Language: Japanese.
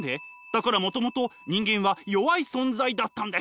だからもともと人間は弱い存在だったんです。